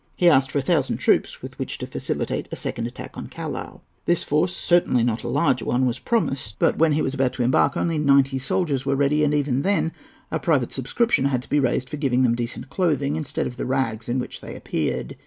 He asked for a thousand troops with which to facilitate a second attack on Callao. This force, certainly not a large one, was promised, but, when he was about to embark, only ninety soldiers were ready, and even then a private subscription had to be raised for giving them decent clothing instead of the rags in which they appeared.